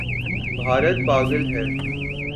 بھارت پاگل ہے